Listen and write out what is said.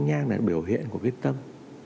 kinh nhang là biểu hiện của cái tâm